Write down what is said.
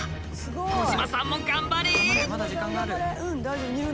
小島さんも頑張れ！